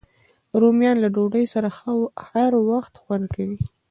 رومیان له ډوډۍ سره هر وخت خوند کوي